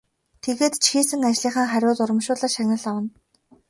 Тэгээд ч хийсэн ажлынхаа хариуд урамшуулал шагнал авна.